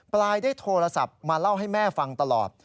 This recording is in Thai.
ปลายได้โทรศัพท์มาเล่าให้แม่ฟังตลอด